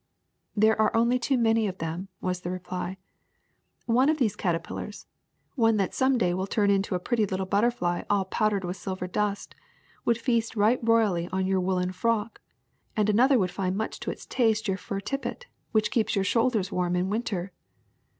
^' There are only too many of them," was the reply. One of these caterpillars, one that some day will turn into a pretty little butterfly all powdered with silver dust, would feast right royally on your woolen frock ; and another would find much to its taste your fur tippet, which keeps your shoulders warm in winter.